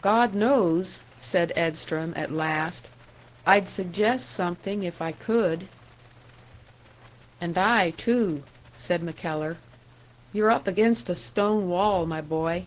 "God knows," said Edstrom, at last. "I'd suggest something if I could." "And I, too," said MacKellar. "You're up against a stone wall, my boy.